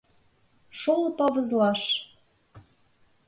Шолып авызлаш.